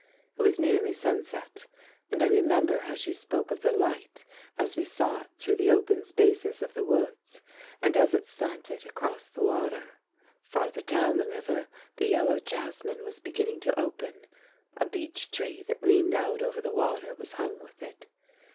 It was nearly sunset, and I remember how she spoke of the light as we saw it through the open spaces of the woods and as it slanted across the water. Farther down the river the yellow jasmine was beginning to open. A beech tree that leaned out over the water was hung with it.